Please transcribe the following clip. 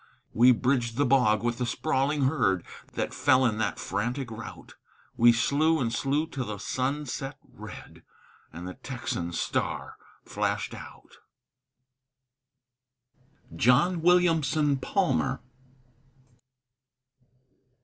We bridged the bog with the sprawling herd That fell in that frantic rout; We slew and slew till the sun set red, And the Texan star flashed out. JOHN WILLIAMSON PALMER.